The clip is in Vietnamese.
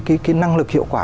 cái năng lực hiệu quả